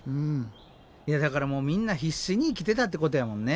いやだからもうみんな必死に生きてたってことやもんね。